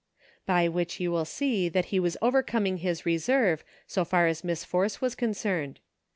By which you will see that he was overcoming his reserve, so far as Miss Force was concerned.